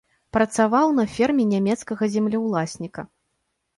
Працаваў на ферме нямецкага землеўласніка.